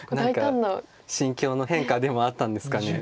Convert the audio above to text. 何か心境の変化でもあったんですかね。